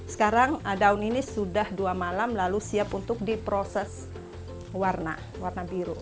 sekarang daun ini sudah dua malam lalu siap untuk diproses warna warna biru